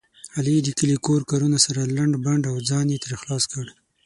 علي د کلي کور کارونه سره لنډ بنډ او ځان یې ترې خلاص کړ.